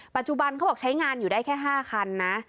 ปัจจุบันเขาบอกใช้งานอยู่ได้แค่๕คันนะ